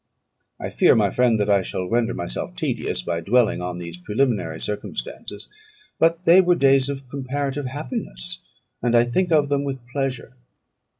I fear, my friend, that I shall render myself tedious by dwelling on these preliminary circumstances; but they were days of comparative happiness, and I think of them with pleasure.